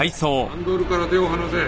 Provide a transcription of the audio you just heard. ハンドルから手を離せ！